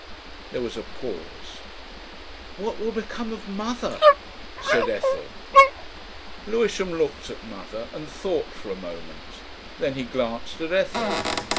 There was a pause. "What will become of Mother?" said Ethel. Lewisham looked at Mother and thought for a moment. Then he glanced at Ethel.